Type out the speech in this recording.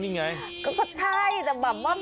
อันนั้นจดหมายส่วนตัว